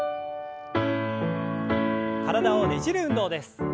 体をねじる運動です。